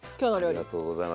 ありがとうございます。